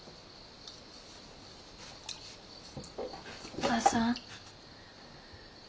お母さん。